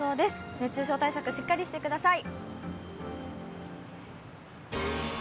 熱中症対策、しっかりしてください。